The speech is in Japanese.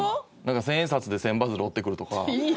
千円札で千羽鶴折ってくるとか。